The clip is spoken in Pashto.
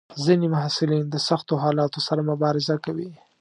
ځینې محصلین د سختو حالاتو سره مبارزه کوي.